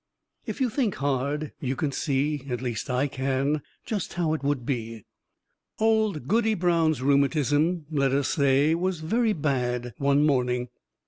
If you think hard, you can see at least I can just how it would be. Old Goody Brown's rheumatism, let us say, was very bad one morning.